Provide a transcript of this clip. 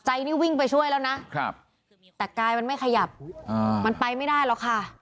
นี่วิ่งไปช่วยแล้วนะแต่กายมันไม่ขยับมันไปไม่ได้หรอกค่ะ